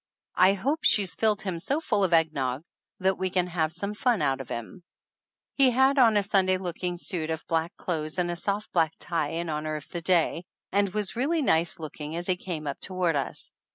"I hope she's filled him so full of egg nog that we can have some fun out of him !" He had on a Sunday looking suit of black clothes and a soft black tie in honor of the day, and was really nice looking as he came up to ward us.